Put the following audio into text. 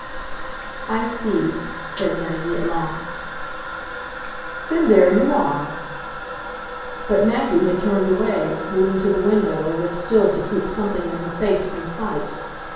"I see," said Maggie at last. "Then there you are." But Maggie had turned away, moving to the window, as if still to keep something in her face from sight.